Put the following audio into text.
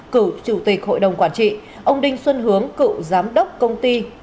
cựu chủ tịch hội đồng quản trị ông đinh xuân hướng cựu giám đốc công ty